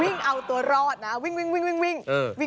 เอาตัวรอดนะวิ่ง